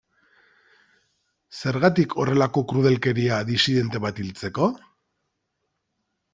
Zergatik horrelako krudelkeria disidente bat hiltzeko?